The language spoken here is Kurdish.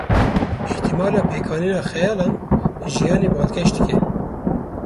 Îhtimala pêkanîna xeyalan, jiyanê balkêş dike.